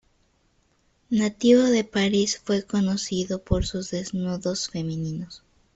Nativo de París fue conocido por sus desnudos femeninos.